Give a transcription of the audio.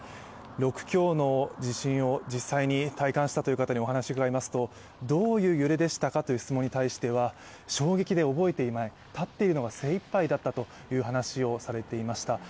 ６強の地震を実際に体感したという方にお話を伺いますとどういう揺れでしたかという質問に対しては衝撃で覚えていない、立っているのが精いっぱいだったという話をされていました。